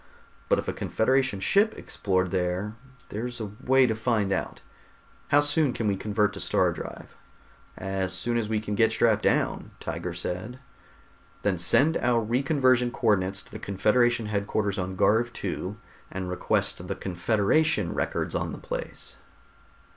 But if a Confederation ship explored there, there's a way to find out. How soon can we convert to star drive?" "As soon as we can get strapped down," Tiger said. "Then send our reconversion co ordinates to the Confederation headquarters on Garv II and request the Confederation records on the place."